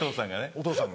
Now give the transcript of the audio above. お父さんが。